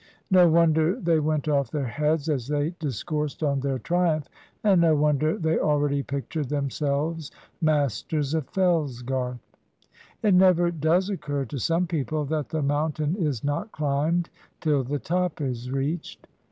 No wonder they went off their heads as they discoursed on their triumph, and no wonder they already pictured themselves masters of Fellsgarth! It never does occur to some people that the mountain is not climbed till the top is reached.